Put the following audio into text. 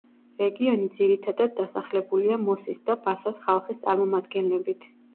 რეგიონი ძირითადად დასახლებულია მოსის და ბასას ხალხის წარმომადგენლებით.